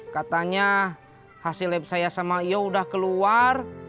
katanya hasil lab saya sama iodah keluar